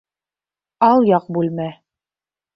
Алъяҡ бүлмә.